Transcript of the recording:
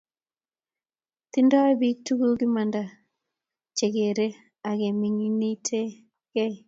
tindoi bik tugul imanda che kergei ak kemining'it kee.